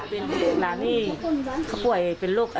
ก็ไปพูดคุยกับหลานชายด้วยนะคะ